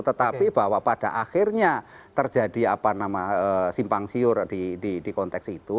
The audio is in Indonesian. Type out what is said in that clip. tetapi bahwa pada akhirnya terjadi simpang siur di konteks itu